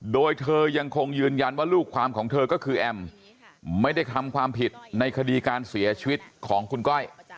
โดยเธอยังคงยืนยันว่าลูกความของเธอก็คือแอมไม่ได้ทำความผิดในคดีการเสียชีวิตของคุณก้อย